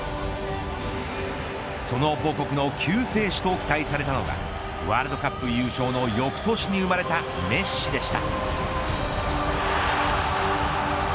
その母国の救世主と期待されたのがワールドカップ優勝の翌年に生まれたメッシでした。